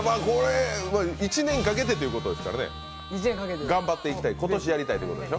１年かけてということですからね、頑張っていきたい、今年やりたいってことでしょ。